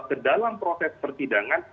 kedalam proses pertidangan